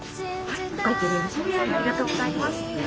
ありがとうございます。